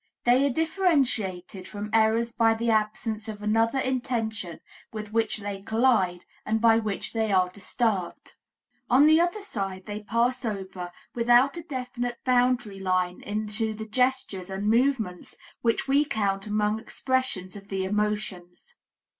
They are differentiated from errors by the absence of another intention with which they collide and by which they are disturbed. On the other side they pass over without a definite boundary line into the gestures and movements which we count among expressions of the emotions.